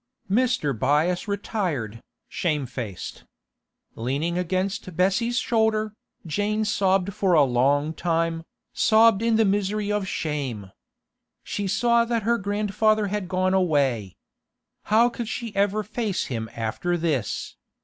Mr. Byass retired, shamefaced. Leaning against Bessie's shoulder, Jane sobbed for a long time, sobbed in the misery of shame. She saw that her grandfather had gone away. How should she ever face him after this?